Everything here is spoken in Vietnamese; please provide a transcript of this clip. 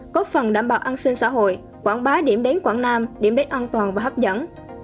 góp phần đảm bảo an sinh xã hội quảng bá điểm đến quảng nam điểm đến an toàn và hấp dẫn